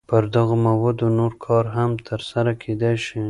پر دغو موادو نور کار هم تر سره کېدای شي.